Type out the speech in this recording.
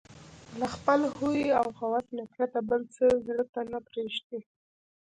له خپل هوى او هوس نه پرته بل څه زړه ته نه پرېږدي